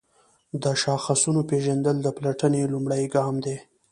د شاخصونو پیژندل د پلټنې لومړی ګام دی.